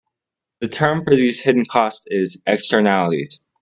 The term for these hidden costs is "Externalities".